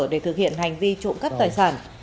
để thực hiện hành vi trộm cắp tài sản